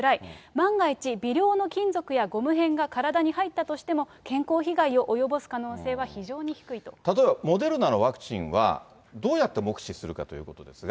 万が一、微量の金属やゴム片が体に入ったとしても、健康被害を及ぼす可能例えば、モデルナのワクチンは、どうやって目視するかということですが。